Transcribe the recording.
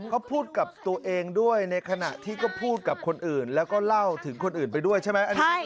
เขาพูดกับตัวเองด้วยในขณะที่ก็พูดกับคนอื่นแล้วก็เล่าถึงคนอื่นไปด้วยใช่ไหม